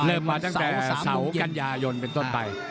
เริ่มมาตั้งแต่เสาร์กันยายนเป็นต้นไป